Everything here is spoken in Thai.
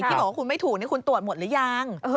บอกว่าคุณไม่ถูกคุณตรวจหมดหรือยัง